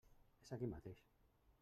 És aquí mateix.